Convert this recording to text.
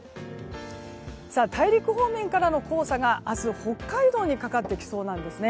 大陸方面からの黄砂が明日北海道にかかってきそうです。